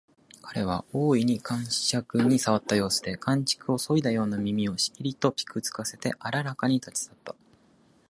彼は大いに肝癪に障った様子で、寒竹をそいだような耳をしきりとぴく付かせてあららかに立ち去った